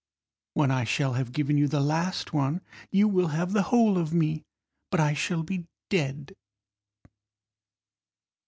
When I shall have given you the last one, You will have the whole of me, But I shall be dead.